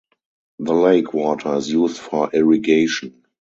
The lake water is used for irrigation.